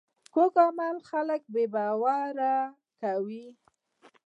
کوږ عمل خلک بې باوره کوي